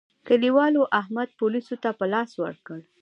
کلیوالو احمد پوليسو ته په لاس ورکړ.